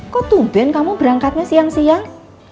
kok tuh ben kamu berangkatnya siang siang